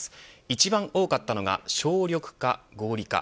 一番多かったのが省力化、合理化。